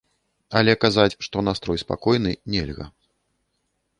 Але казаць, што настрой спакойны, нельга.